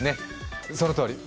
そのとおり。